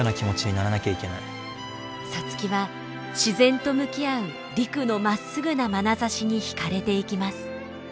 皐月は自然と向き合う陸のまっすぐなまなざしに惹かれていきます。